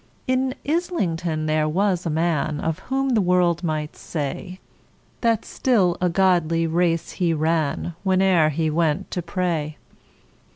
In Islington there was a man, Of whom the world might say, That still a godly race he ran, Whene'er he went to pray.